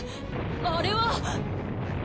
あれは。